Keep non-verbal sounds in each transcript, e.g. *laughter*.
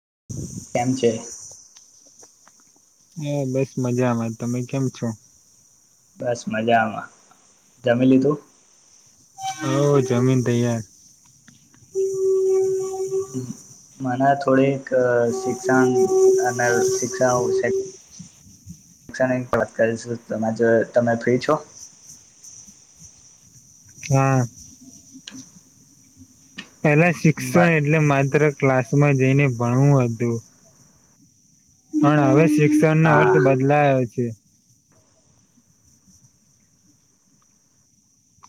*unintelligible* હા બસ મજામાં. તમે કેમ છો? બસ મજામાં. જમી લીધું? હા. જમી ને તૈયાર. મને થોડીક શિક્ષણ અને શિક્ષા છે. લક્ષણિક વાત કરીશું. જો તમે ફ્રી છો? હા! પેલા શીખશો એટલે માત્ર. ક્લાસ માં જઈને ભણવું હતું. *unintelligible* શિક્ષણ નો હા અર્થ બદલાયયો છે.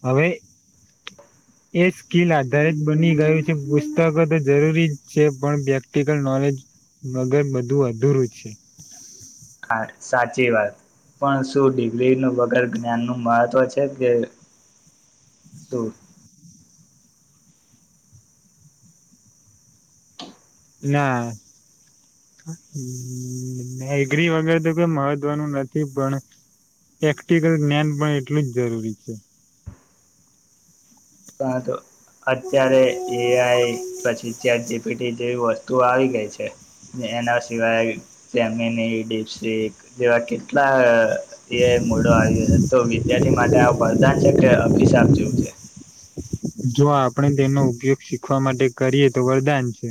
હવે એ સ્કીિલ આધારિત બની ગયું છે. પુસ્તકો તો જરૂરી જ છે. પણ પ્રેક્ટિકલ નોલેજ વગર બધું અધૂરું છે. *unintelligible* સાચી વાત. પણ શું ડિગ્રી નું વગર જ્ઞાન નું મહત્વ છે કે શું. ના ઉમમમમ એગ્રી વગર તો કઈ મહત્વનું નથી પણ પ્રેક્ટિકલ જ્ઞાન પણ એટલું જ જરૂરી છે ત તો અત્યારે એઆઈ પછી ચેટ જીપીટી જેવી વસ્તુઓ આવી ગઈ છે ને એના સિવાય જેમીની ડીપ્સિક જેવા કેટલા એ મોડો આવ્યો તો વિદ્યાર્થી માટે આ વરદાન છે કે અભિશાપ જોવું છે. જો આપણે તેનો ઉપયોગ શીખવા માટે કરીએ તો વરદાન છે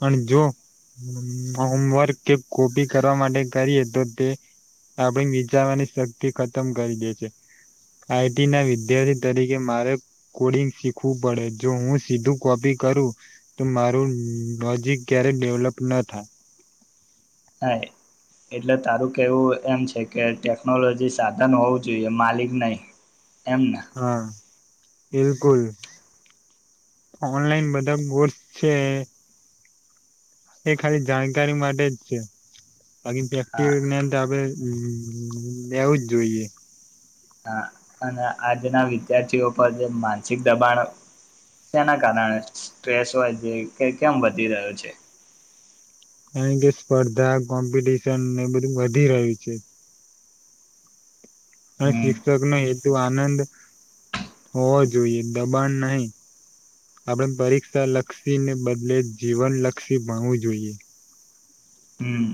પણ જો હમમમમ હોમવર્ક કે કોપી કરવા માટે કરીએ તો તે આપડી વિચારવાની શક્તિ ખતમ કરી દે છે આઈટી ના વિદ્યાર્થી તરીકે મારે કોડિંગ શીખવું પડે જો હું સીધું કોપી કરું તો મારું ઉનનન લોજીક ક્યારેક ડેવલપ ન થાય હા એટલે તારું કેવું એમ છે કે ટેકનોલોજી સાધન હોવું જોઈએ માલિક નહી એમને હા બિલકુલ ઓનલાઈન બધા કોર્સ છે એ ખાલી જાણકારી માટે જ છે બાકી પ્રેક્ટિ હા *unintelligible* ગ્યાન તો આપણે હમમ લેવુજ જોઈએ હા અને આજના વિદ્યાર્થીઓ પર જે માનસિક દબાણ સેના કારણે સ્ટ્રેસ હોય કે કેમ વધી રહ્યો છે કારણ કે સ્પર્ધા કોમ્પિટિશન ને બધું વધી રહ્યું છે હ હમ શિક્ષક ને એ આનંદ હોવો જોઈએ દબાણ નહી આપણે પરીક્ષા લક્ષીને બદલે જીવનલક્ષી ભણવું જોઈએ હમ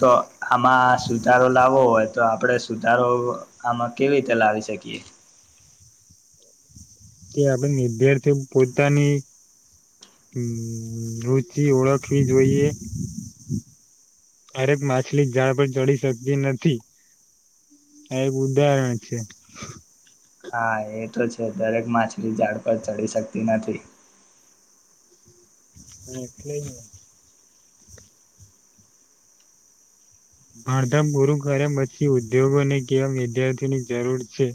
તો આમાં સુધારો લાવવો હોય તો આપણે સુધારો આમાં કેવી રીતે લાવી શકીએ કે આપણે વિદ્યાર્થી પોતાની રુચિ હનનન ઓળખવી જોઈએ હરેક માછલી ઝાડ પર ચડી શકતી નથી આ એક ઉદાહરણ છે હા એ તો છે દરેક માછલી ઝાડ પર ચડી શકતી નથી *inaudible* ભાણધામ પૂરું કર્યા પછી ઉદ્યોગોને કેવા વિધ્યાર્થીઓની જરૂર છે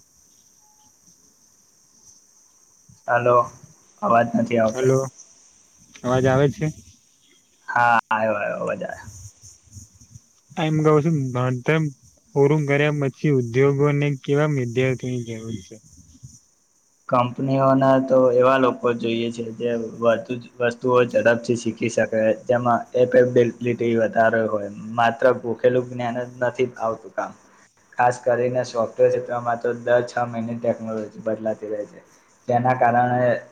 હલો અવાજ નથી આવતો હલો અવાજ આવે છે હા આયો આયો *unintelligible* એમ કહ છું ભણતર પૂરું કર્યા પછી ઉદ્યોગોને કેવા વિદ્યાર્થીઓની જરૂર છે કંપનીઓના તો એવા લોકો જોઈએ છે જે વધુ જ વસ્તુઓ ઝડપથી શીખી શકે જેમાં એપબલિટી વધારે હોય માત્ર ગોખેલું જ્ઞાન જ નથી આવતું કામ ખાસ કરીને સોફ્ટવેર ક્ષેત્રમાં તો દર છ મહિને ટેકનોલોજી બદલાતી રે છે જેના કારણે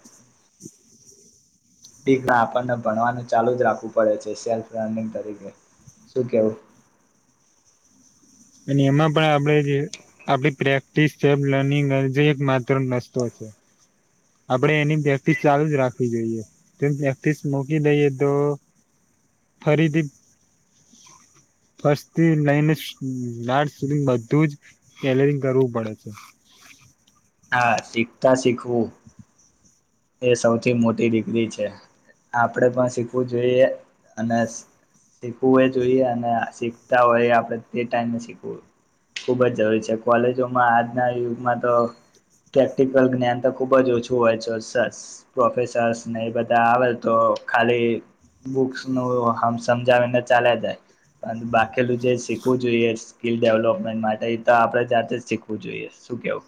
*unintelligible* આપણને ભણવાનું ચાલુ જ રાખવું પડે છે સેલ્ફ રનિંગ તરીકે શું કેવું અને એમાં પણ આપણે જે આપડી પ્રેક્ટિસ લર્નિંગ અને જે એક માત્ર રસ્તો છે આપણેે એની પ્રેક્ટિસ ચાલુ જ રાખવી જોઈએ તો પ્રેક્ટિસ મૂકી દઈએ તો ફરીથી ફસ્ટથી લઈને હમ લાર સુધી બધું જ કેલરિંગ કરવું પડે છે હા શીખતા શીખવું એ સૌથી મોટી ડિગ્રી છે આપણે પણ શીખવું જોઈએ અને શીખવું એ જોઈએ અને શીખતા હોય આપણે તે ટાઈમેં શીખવું ખુબ જ જરૂરી છે કોલેજોમાં આજના યુગમાં તો પ્રેક્ટિકલ જ્ઞાન તો ખુબ જ ઓછું હોય છે સર પ્રોફેસર્સ ને એ બધા આવે તો ખાલી બુક્સ નું હમ સમજાવીને ચાલ્યાં જાય પણ બાકીલું જે શીખવું જોઈએ સ્કીિલ ડેવલપમેન્ટ માટે તો આપે જાતે જ શીખવું જોઈએ શ કેવું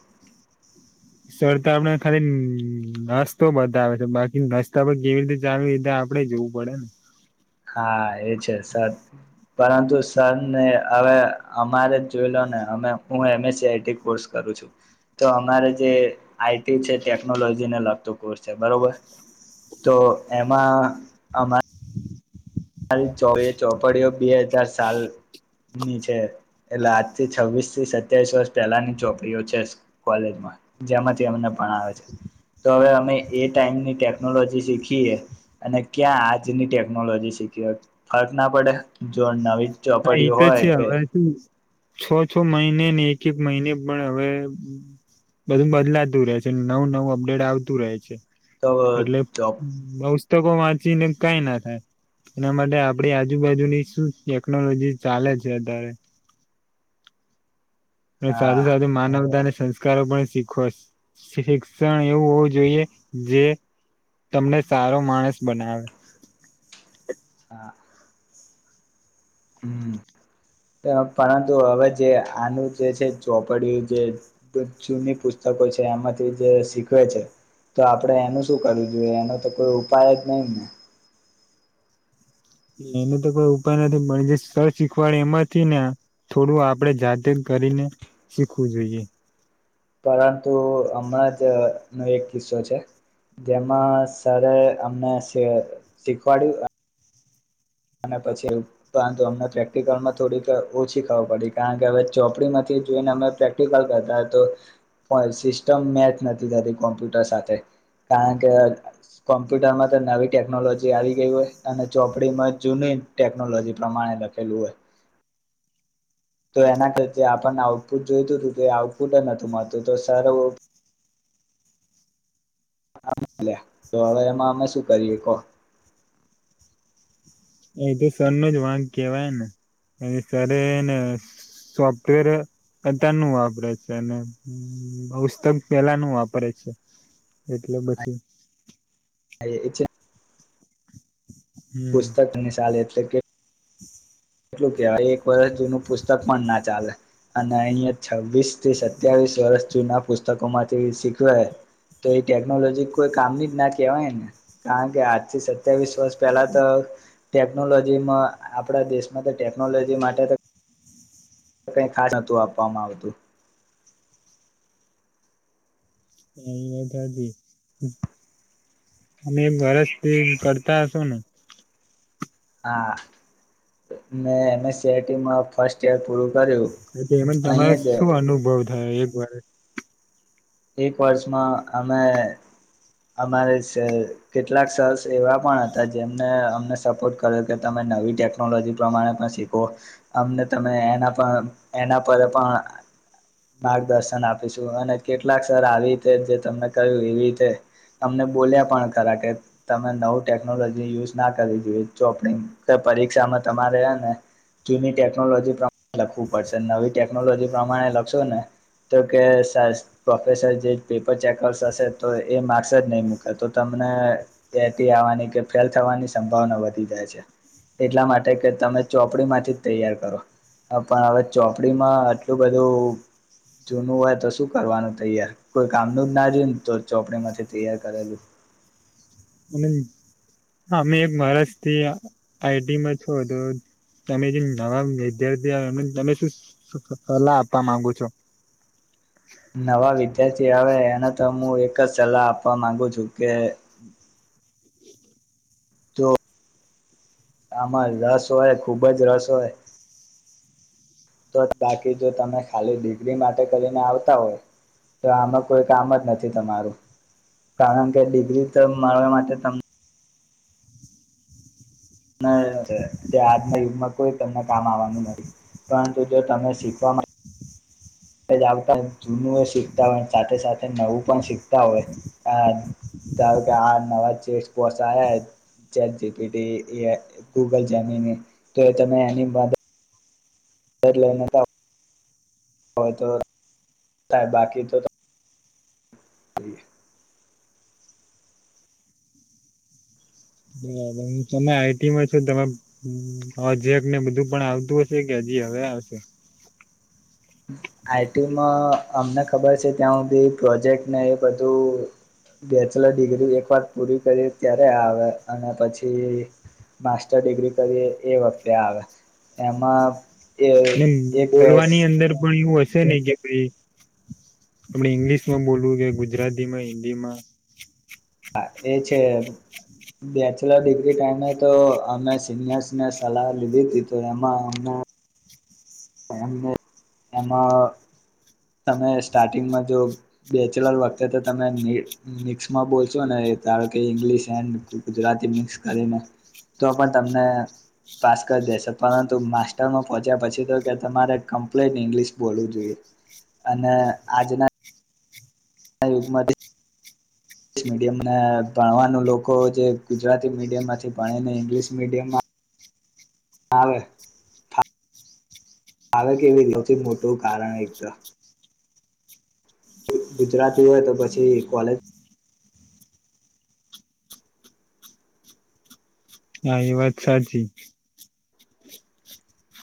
સરતા આપણે ખાલી હનન રસ્તો બતાવે છે બાકી રસ્તા પર કેવી રીતે ચાલુ રીતે આપડે જવું પડે ને હા એ છે સર પરંતુ સર ને હવે અમારે જોઈ લો ને હું એમએસસી આઈટી કોર્સ કરું છું તો અમારે જે આઈટી છે ટેકનોલોજીને લગતો કોર્સ છે બરોબર તો એમા અમા મારી એ ચોપડીઓ બે હજાર સાલ ની છે એટલે આજ થી છવ્વીસ થી સત્યાવીસ વર્ષ પહેલાની ચોપડીઓ છે કોલેજમાં જેમાંથી અમને ભાણાવે છે તો હવે અમે એ ટાઈમની ટેકનોલોજી શીખીએ અને ક્યાં આજની ટેકનોલોજી શીખ ફરક ના પડે જો નવી. હા, એ ચોપડીઓ તો હોય છે. કે હવે શું? છ-છ મહિને ને એક-એક મહિને પણ હવે બધું બદલાતું રહે છે. નવું નવું અપડેટ આવતું રહે છે. તો એટલે. ચોપ પુસ્તકો વાંચી ને કઈ ના થાય, એના માટે આપણી આજુબાજુની શું? ટેકનોલોજી ચાલે છે અત્યારે. હા સાથે, સાથે માનવતાને. સંસ્કારો પણ શીખવા, શિક્ષણ એવું હોવું જોઈએ, જે તમને સારો માણસ બનાવે. હ. હમ, પરંતુ હવે જે આનું જે છે ચોપડી છે, જે જૂની પુસ્તકો છે, એમાંથી જે શીખવે છે, તો આપડે એનું શું કરવું જોઈએ? એનો તો કોઈ ઉપાય જ નહીં ને. એને તો કોઈ ઉપાય નથી મળી, જે સર શીખવાડે એમાંથી, ને થોડું આપડે જાતે કરીને શીખવું જોઈએ. પરંતુ હમણાં જ નો એક કિસ્સો છે, જેમાં સર અમને શીખવાડ્યું. અને પછી, પરંતુ અમને પ્રેક્ટિકલમાં થોડીક ઓછી ખબર પડી, કારણ કે હવે ચોપડીમાંથી જોઈને અમે પ્રેક્ટિકલ કરતા હો તો સિસ્ટમ મેચ નથી થતી કોમ્પ્યુટર સાથે, કારણ કે કોમ્પ્યુટરમાં તો નવી ટેકનોલોજી આવી ગઈ હોય અને ચોપડીમાં જ. જૂની ટેકનોલોજી પ્રમાણે લખેલું હોય. તો એના કર આપણને આઉટપુટ જોઈતું હતું, કે આઉટપુટ નથી મળતું, તો સર. લે તો હવે એમાં અમે શું કરીએ? કોણ? એ તો સર ન જ વાક કેહેવાય ને. સરને સોફ્ટવેર અત્યારનુ વાપરે છે, અને પુસ્તક પેલાનું વાપરે છે, એટલે પછી. હ, એ છે. હમ પુસ્તકનીશાલ એટલે કે? એટલું કેવાય એક વર્ષ જૂનું પુસ્તક પણ ના ચાલે, અને અહીં. છવ્વીસ થી સત્યાવીસ વર્ષ. ના પુસ્તકો માંથી શીખવા તો એ ટેકનોલોજી કોઈ કામની જ ના કહેવાય ને, કારણ કે આજથી. અત્યાવીસ વર્ષ પહેલા તો. ટેકનોલોજી માં આપણા દેશ તો ટેકનોલોજી માટે તો કંઈ ખાસ *unintelligible* આપવામાં આવતું. અહીંયા ત્યાં થી. અને ઘરજ તે કરતા તો ને. હા મે એમ સીઆરટી માં ફસ્ટ યર પૂરું કર્યું ને તે *unintelligible* તમારો અહીંયા જ શું અનુભવ થઈ એક વાર. એક વર્ષમાં અમે અમારે સા કેટલાક સર્સ એવા પણ હતા જેમને અમને સપોર્ટ કર્યો કે તમે નવી ટેકનોલોજી પ્રમાણે પણ શીખો અમને તમે એના પર એના પર પણ માર્ગદર્શન આપીશું અને કેટલાક સર આવી રે જે તમને કહ્યું એવી રીતે તમને બોલ્યા પણ ખરા કે તમે નવું ટેકનોલોજી યુઝ ના કરવી જોઈએ જો પરીક્ષામાં તમારે ને જૂની ટેકનોલોજી પ્રમાણે લખવું પડશે નવી ટેકનોલોજી પ્રમાણે લખશો ને તો કે સા પ્રોફેસર જે પેપર ચેકર્સ હશે તો એ માર્ક્સ જ નહીં મૂકે તો તમને કેટી આવવાની કે ફેલ થવાની સંભાવના વધી જાય છે એટલા માટે કે તમે ચોપડીમાંથી જ તૈયાર કરો પણ હવે ચોપડીમાં આટલું બધું જૂનું હોય તો શું કરવાનું? તૈયાર કોઈ કામનું જ ના રહ્યું તો ચોપડા માંથી તૈયાર કરેલું. અને હા અમે *unintelligible* થિયા આઈ ટી માં છો તો તમે જે નવા વિદ્યાર્થી *unintelligible* તમે શું સલા નવા વિદ્યાર્થી આવે એને તો હું એક જ સલાહ આપવા માંગુ છું કે જો આમાં રસ હોય ખુબ જ રસ હોય તો બાકી જો તમે ખાલી ડિગ્રી માટે કરીને આવતા હોય તો આમાં કોઈ કામ જ નથી તમારું કારણ કે ડિગ્રી તો મળવા માટે તમન ના જે આજના યુગમાં કોઈ તમને કામ આવવાનું નથી પરંતુ જો તમે શીખવા માં તે જ આવતા હોય જૂનું એ શીખતા હોય સાથે સાથે નવું પણ શીખતા હોય આ ધારો કે આ નવા ચેસપોટ આવ્યા હે ચેટ જી પી ટી ઇ એ ગૂગલ જેમીની તો એ તમે *unintelligible* હોય તો થાય બાકી તો *inaudible* બરાબર હું તમે આ ઈ ટી માં છો તમે ઓજેકને બધું પણ આવતું હશે કે હજી હવે આવશે? આ ઈ ટી માં અમને ખબર છે ત્યાં સુધી પ્રોજેક્ટ ને એ બધું બેચલર ડિગ્રી એક વાર પૂરી કરીએ ત્યારે આવે અને પછી માસ્ટર ડિગ્રી કરીએ એ વખતે આવે એમા *unintelligible* બોલવાની અંદર પણ એવું હશે નહીં કે ભાઈ આપણે ઈંગ્લિશ માં બોલવું કે ગુજ એ છે બેચલર ડિગ્રી ટાઈમે તો અમે સિનિયર્સ ને સલાહ લીધી હતી તો એમાં અમને એમને એમાં તમે સ્ટાર્ટિંગમાં જો બેચલર વખતે તો તમે મિ મિક્સમાં બોલશો ને ધારો કે ઇંગ્લિશ એન્ડ ગુજરાતી મિક્સ કરીને કે તમારે કમ્પ્લીટ ઇંગ્લિશ બોલવું જોઈએ અને આજના આ યુગમાંથી ઇંગ્લિશ મીડિયમને ભણવાનું લોકો જે ગુજરાતી મીડિયમમાંથી ભણીને ઇંગ્લિશ મીડીયમ આવે ફા આવે કેવી રીતે? સૌથી મોટું કારણ એ તો એ ગુજરાતી હોય તો પછી હા એ વાત સાચી.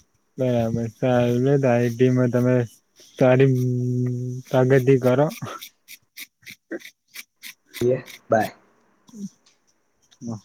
બરાબર સારું તો આઈ ટી *inaudible* બાય. હા.